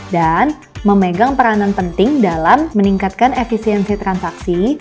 dan memegang peranan penting dalam meningkatkan efisiensi transaksi